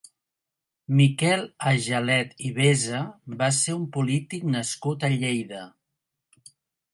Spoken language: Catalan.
Miquel Agelet i Besa va ser un polític nascut a Lleida.